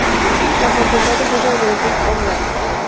La Facultad ofrece los siguientes posgrados.